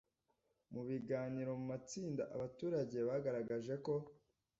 Mu biganiro mu matsinda abaturage bagaragaje ko